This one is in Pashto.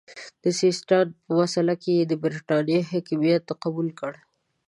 د سیستان په مسئله کې یې د برټانیې حکمیت قبول کړ.